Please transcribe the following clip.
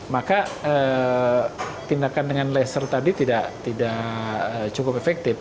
maka tindakan dengan laser tadi tidak cukup efektif